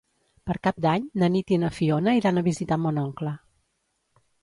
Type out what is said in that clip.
Per Cap d'Any na Nit i na Fiona iran a visitar mon oncle.